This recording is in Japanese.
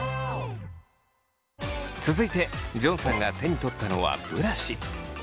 続いてジョンさんが手に取ったのはブラシ。